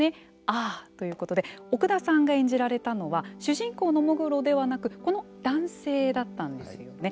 「ああ」。ということで奥田さんが演じられたのは主人公の喪黒ではなくこの男性だったんですよね。